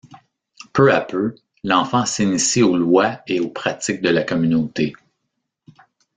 Peu à peu, l'enfant s'initie aux lois et aux pratiques de la communauté.